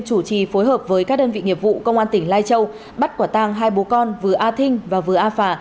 chủ trì phối hợp với các đơn vị nghiệp vụ công an tỉnh lai châu bắt quả tàng hai bố con vừa a thinh và vừa a phà